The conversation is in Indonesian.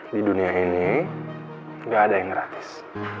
di dunia ini nggak ada yang gratis